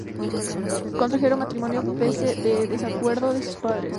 Contrajeron matrimonio, pese al desacuerdo de sus padres.